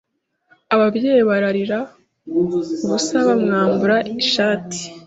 Ababyeyi bararira ubusa Bamwambura ishati